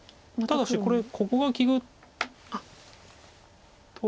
ただしこれここが利くと。